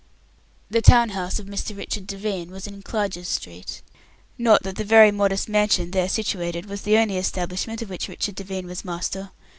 The town house of Mr. Richard Devine was in Clarges Street. Not that the very modest mansion there situated was the only establishment of which Richard Devine was master.